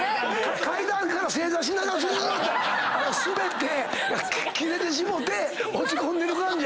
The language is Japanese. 階段から正座しながらズルズルって滑って切れてしもうて落ち込んでる感じやよな。